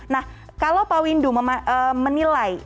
nah kalau pak windu menilai